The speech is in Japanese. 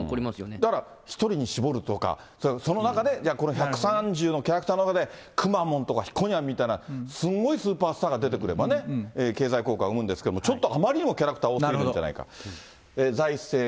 だから、１人に絞るとか、その中でじゃあ、この１３０のキャラクターの中で、くまモンとか、ひこにゃんみたいな、すんごいスーパースターが出てくればね、経済効果を生むんですけど、ちょっとあまりにもキャラクター多すぎるんじゃないか。